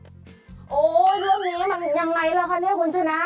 โอ้โหเรื่องนี้มันยังไงล่ะคะเนี่ยคุณชนะ